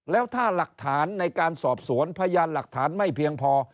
แล้วถ้าหลักฐานในการสอบสวนพยานหลักฐานไม่เพียงพอ